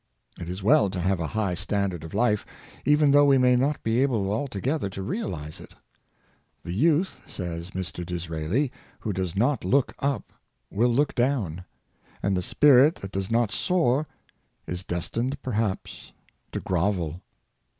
It is well to have a high standard of life, even though we may not be able altogether to realize it. " The youth," says Mr. Disraeli, '* who does not look up will look down; and the spirit that does not soar is destined perhaps to grovel."